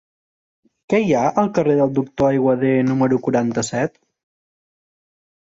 Què hi ha al carrer del Doctor Aiguader número quaranta-set?